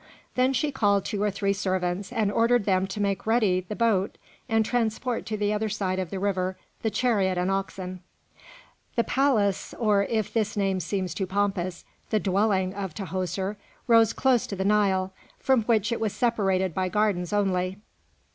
Then she called two or three servants, and ordered them to make ready the boat and transport to the other side of the river the chariot and oxen. The palace, or if this name seems too pompous, the dwelling of Tahoser, rose close to the Nile, from which it was separated by gardens only.